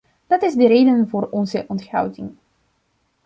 Dat is de reden voor onze onthouding.